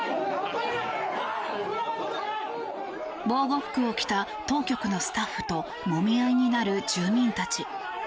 防護服を着た当局のスタッフともみ合いになる住民たち。